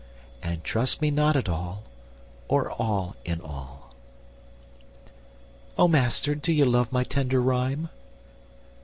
And trust me not at all or all in all.' O Master, do ye love my tender rhyme?"